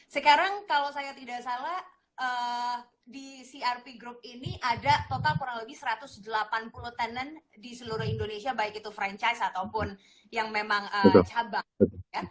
sekarang kalau saya tidak salah di crp group ini ada total kurang lebih satu ratus delapan puluh tenant di seluruh indonesia baik itu franchise ataupun yang memang cabang